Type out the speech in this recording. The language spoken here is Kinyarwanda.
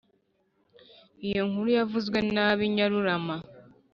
«iyo nkuru yavuzwe n'abi nyarurama